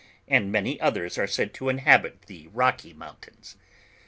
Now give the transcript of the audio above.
and many others are said to inhabit the rocky mountains.